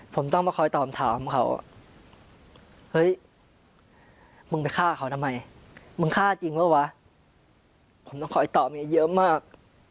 ผมต้องมาคอยตอบถามเขาเฮ้ยมึงไปฆ่าเขาทำไมมึงฆ่าจริงเปล่าวะผมต้องคอยตอบเมียเยอะมาก